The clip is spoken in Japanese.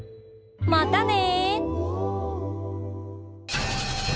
またね！